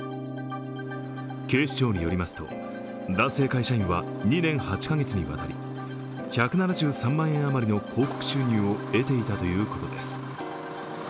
警視庁によりますと、男性会社員は２年８カ月にわたり１７３万円あまりの広告収入を得ていたということです。